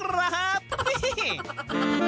วิธีแบบไหนไปดูกันเล็ก